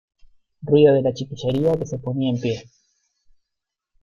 Ruido de la chiquillería que se ponía en pie.